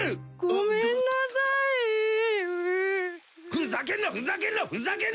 ふざけんなふざけんなふざけんな！